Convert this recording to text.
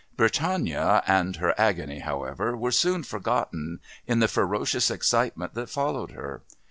Britannia and her agony, however, were soon forgotten in the ferocious excitements that followed her.